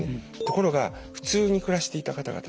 ところが普通に暮らしていた方々